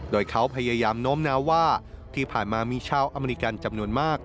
โดยเขาพยายามโน้มน้าวว่าที่ผ่านมามีชาวอเมริกันจำนวนมาก